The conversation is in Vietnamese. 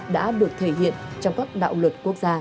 đã được thể hiện trong các đạo luật